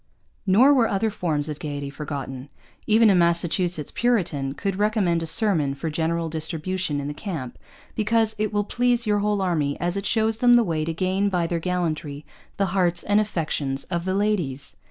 Nor were other forms of gaiety forgotten. Even a Massachusetts Puritan could recommend a sermon for general distribution in the camp because 'It will please your whole army, as it shows them the way to gain by their gallantry the hearts and affections of the Ladys.'